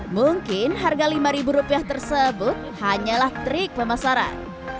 mungkin harga lima rupiah tersebut hanyalah trik pemasaran